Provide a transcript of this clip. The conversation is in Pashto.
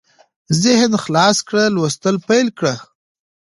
ذهن خلاص کړه لوستل پېل کړه